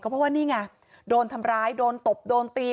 เพราะว่านี่ไงโดนทำร้ายโดนตบโดนตี